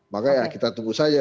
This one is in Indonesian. makanya kita tunggu saja